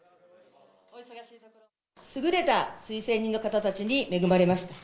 優れた推薦人の方たちに恵まれました。